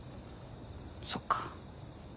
そっか。